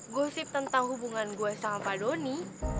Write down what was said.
gosip tentang hubungan gue sama pak doni